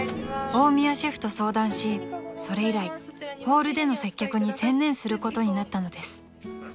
［大宮シェフと相談しそれ以来ホールでの接客に専念することになったのです］